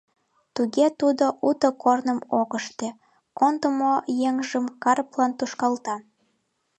Тыге тудо уто корным ок ыште, кондымо еҥжым Карплан тушкалта.